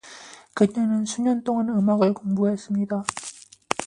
그녀는 수년 동안 음악을 공부했습니다.